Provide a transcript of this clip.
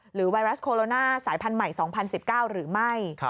ไวรัสโคโรนาสายพันธุ์ใหม่๒๐๑๙หรือไม่